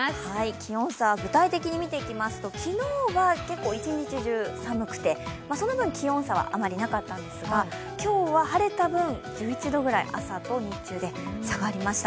気温差、具体的に見ていきますと昨日は一日中、寒くて、その分、気温差はあまりなかったんですが今日は晴れた分、１１度くらい朝と日中が差がありました。